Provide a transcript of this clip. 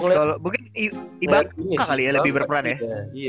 ibaqah kali ya lebih berperan ya